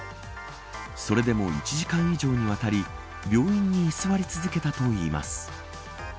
それでも、１時間以上にわたり病院に居座り続けたといいます。